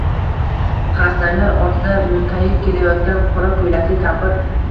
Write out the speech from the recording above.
Xarsanglar ortida munkayib kelayotgan qora koʼylakli kampir